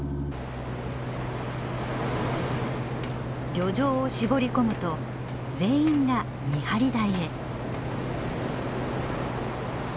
漁場を絞り込むと全員が見張り台へ。